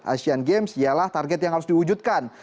asian games ialah target yang harus diwujudkan